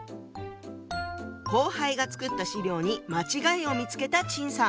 後輩が作った資料に間違いを見つけた陳さん。